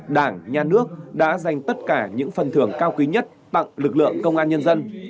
đảng nhà nước đã dành tất cả những phần thưởng cao quý nhất tặng lực lượng công an nhân dân